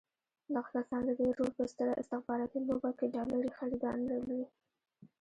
دغه کسان د دې رول په ستره استخباراتي لوبه کې ډالري خریداران لري.